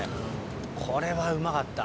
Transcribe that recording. これはうまかった。